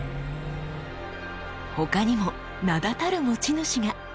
他にも名だたる持ち主が。